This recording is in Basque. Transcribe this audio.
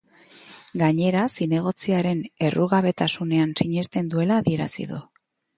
Gainera, zinegotziaren errugabetasunean sinesten duela adierazi du.